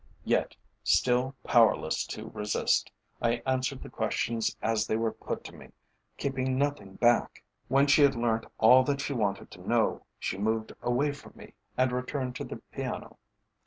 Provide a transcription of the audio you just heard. Yet, still powerless to resist, I answered the questions as they were put to me, keeping nothing back. When she had learnt all that she wanted to know, she moved away from me, and returned to the piano.